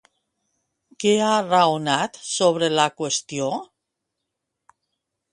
Què ha raonat sobre la qüestió?